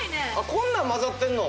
こんなん交ざってんの？